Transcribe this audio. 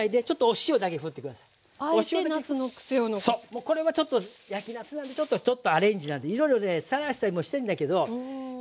もうこれはちょっと焼きなすなんでちょっとアレンジなんでいろいろねさらしたりもしたんだけどこのままの方がいい。